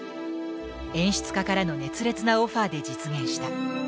演出家からの熱烈なオファーで実現した。